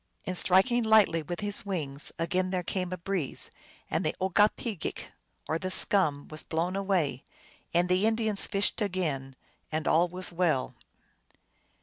And striking lightly with his wings, again there came a breeze, and the OgokpcgeaJc, or the scum, was blown away, and the Indians fished again, and all was well.